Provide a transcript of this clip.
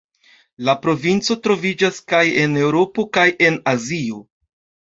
La provinco troviĝas kaj en Eŭropo kaj en Azio.